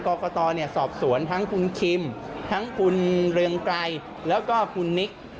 กรกตสอบสวนทั้งคุณคิมทั้งคุณเรืองไกรแล้วก็คุณนิก